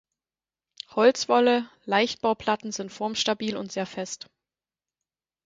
Holzwolle-Leichtbauplatten sind formstabil und sehr fest.